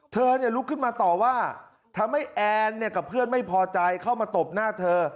ลุกขึ้นมาต่อว่าทำให้แอนกับเพื่อนไม่พอใจเข้ามาตบหน้าเธอ